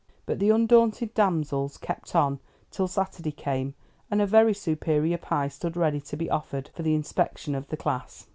But the undaunted damsels kept on till Saturday came, and a very superior pie stood ready to be offered for the inspection of the class.